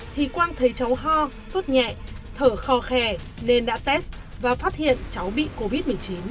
thì quang thấy cháu ho sốt nhẹ thở khò khè nên đã test và phát hiện cháu bị covid một mươi chín